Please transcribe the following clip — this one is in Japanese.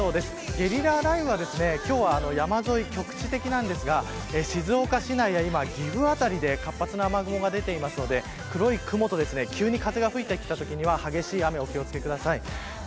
ゲリラ雷雨は今日は山沿いで局地的ですが、静岡市内は岐阜辺りで活発な雨雲が出ているので黒い雲と急に風が吹いてきたときには激しい雨に注意してください。